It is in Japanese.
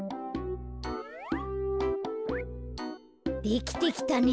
できてきたね。